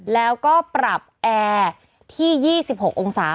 แล้วก็ปรับแอร์ที่๒๖องศา